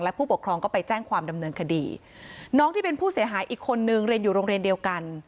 ผู้ปกครองก็ไปแจ้งความดำเนินคดีน้องที่เป็นผู้เสียหายอีกคนนึงเรียนอยู่โรงเรียนเดียวกัน